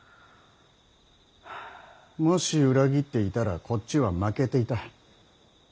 もし裏切っていたらこっちは負けていた。